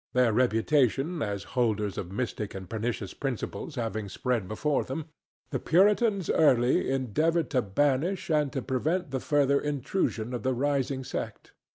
Their reputation as holders of mystic and pernicious principles having spread before them, the Puritans early endeavored to banish and to prevent the further intrusion of the rising sect.